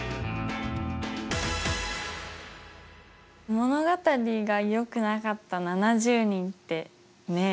物語がよくなかった７０人ってねえ。